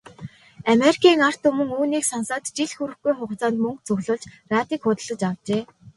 Америкийн ард түмэн үүнийг сонсоод жил хүрэхгүй хугацаанд мөнгө цуглуулж, радийг худалдан авчээ.